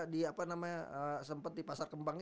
di apa namanya sempet di pasar kembang